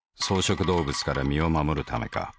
草食動物から身を護るためか。